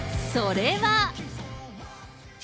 それは。